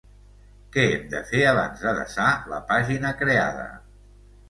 Què hem de fer abans de desar la pàgina creada?